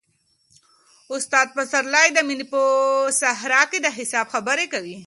استاد پسرلی د مینې په صحرا کې د حساب خبره کوي.